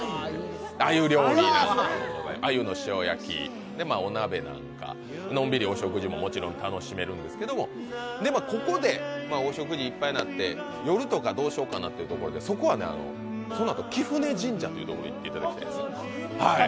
鮎料理とかあって、鮎の塩焼き、お鍋なんか、のんびりお食事も楽しめるんですけどここでお食事いっぱいになって夜どうしようとそこはね、そのあと貴船神社というところに行っていただきたい。